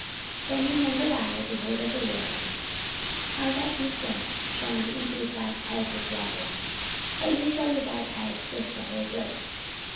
44:011:016 Then remembered I the word of the Lord, how that he said, John indeed baptized with water; but ye shall be baptized with the Holy Ghost.